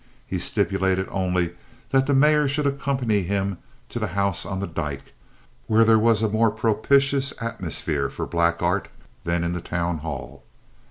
He stipulated only that the Mayor should accompany him to the house on the dyke, where there was a more propitious atmosphere for black art than in the town hall.